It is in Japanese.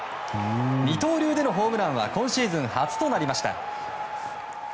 二刀流でのホームランは今シーズン初となりました。